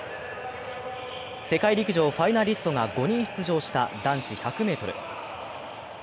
世界陸上ファイナリストが５人出場した男子１００ｍ。